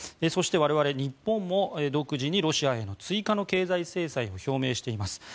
そして、我々日本も独自にロシアへの追加の経済制裁を表明しています。